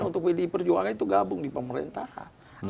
untuk pdi perjuangan itu gabung di pemerintahan